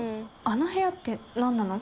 あの部屋って何なの？